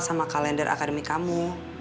sama kalender akademi kamu